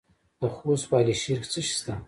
د خوست په علي شیر کې څه شی شته؟